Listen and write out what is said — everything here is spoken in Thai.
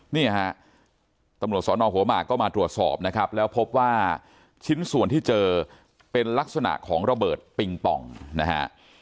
เนี่ยฮะตำรวจสอนอหัวหมากก็มาตรวจสอบนะครับแล้วพบว่าชิ้นส่วนที่เจอเป็นลักษณะของระเบิดปิงปองนะฮะ